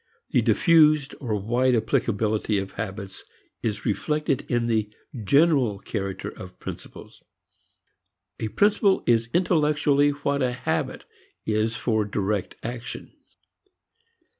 The diffused or wide applicability of habits is reflected in the general character of principles: a principle is intellectually what a habit is for direct action.